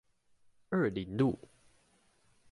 二苓路